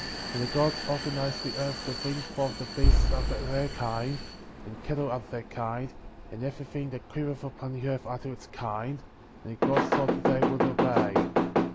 ^ 25. And the God^ organized the earth to bring forth the beasts after their kind, and cattle after their kind, and every thing that creepeth upon the earth after its kind; and the Gods saw they would obey.